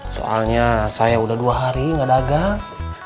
soalnya saya udah dua hari gak dagang